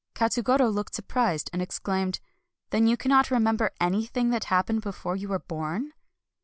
Katsugoro looked surprised and exclaimed :" Then you cannot remember anything that happened before you were born